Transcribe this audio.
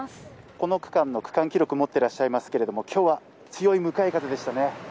この区間の区間記録を持っていらっしゃいますが今日は強い向かい風でしたね。